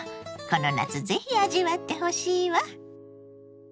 この夏ぜひ味わってほしいわ。